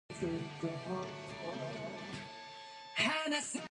I have taken the liberty of slightly altering the writer's somewhat eccentric punctuation.